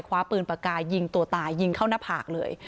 คว้าปืนปากกายิงตัวตายยิงเข้าหน้าผากเลย